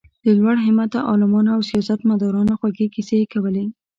د لوړ همته عالمانو او سیاست مدارانو خوږې کیسې یې کولې.